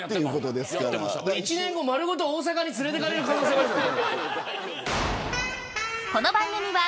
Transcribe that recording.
１年後、丸ごと大阪に連れていかれる可能性ありますよ。